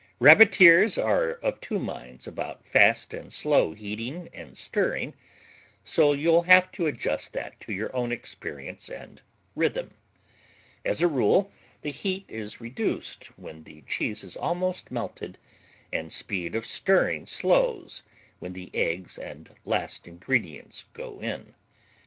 Rabbiteers are of two minds about fast and slow heating and stirring, so you'll have to adjust that to your own experience and rhythm. As a rule, the heat is reduced when the cheese is almost melted, and speed of stirring slows when the eggs and last ingredients go in.